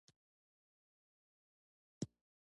پاکستان ته طلايي چانس په لاس ورکړ.